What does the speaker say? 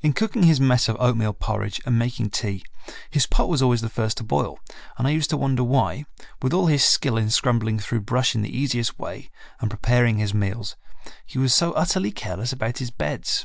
In cooking his mess of oatmeal porridge and making tea, his pot was always the first to boil, and I used to wonder why, with all his skill in scrambling through brush in the easiest way, and preparing his meals, he was so utterly careless about his beds.